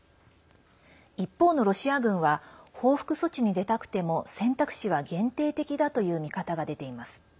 一方のロシア軍は報復措置に出たくても選択肢は限定的だという見方が出ています。